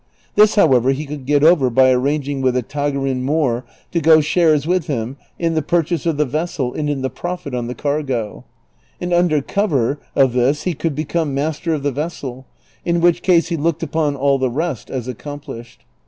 This however he could get over by arranging with a Tagarin Moor to go shares with him in the i)urchase of the vessel and in the profit on the cargo ; and under cover of this h(! could become master of the vessel, in which case he looked upon all the rest as accomplished.